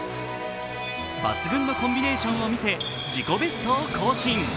抜群のコンビネーションを見せ自己ベストを更新。